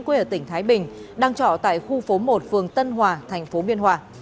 quê ở tỉnh thái bình đang trọ tại khu phố một phường tân hòa thành phố biên hòa